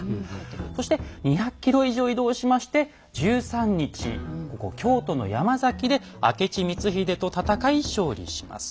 そして２００ｋｍ以上移動しまして１３日京都の山崎で明智光秀と戦い勝利します。